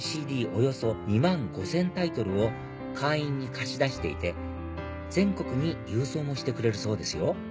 およそ２万５０００タイトルを会員に貸し出していて全国に郵送もしてくれるそうですよ